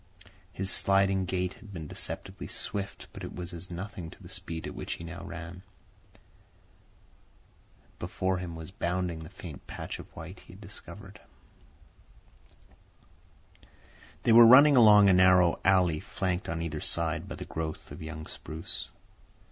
His sliding gait had been deceptively swift, but it was as nothing to the speed at which he now ran. Before him was bounding the faint patch of white he had discovered. They were running along a narrow alley flanked on either side by a growth of young spruce.